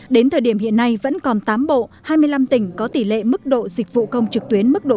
đến thời điểm hiện nay vẫn còn tám bộ hai mươi năm tỉnh có tỷ lệ mức độ dịch vụ công trực tuyến mức độ bốn dưới một mươi